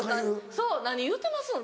そう「何言うてますん？」